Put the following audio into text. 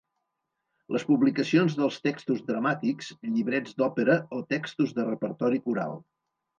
Les publicacions dels textos dramàtics, llibrets d'òpera o textos de repertori coral.